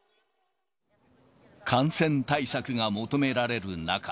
感染対策が求められる中。